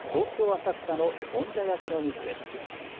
浅草のもんじゃ焼きの店です。